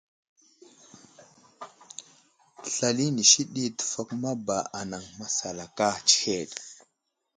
Slal inisi ɗi təfakuma ba anaŋ masalaka tsəhed.